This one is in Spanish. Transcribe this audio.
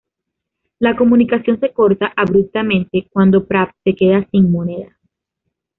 La comunicación se corta abruptamente cuando Pratt se queda sin monedas.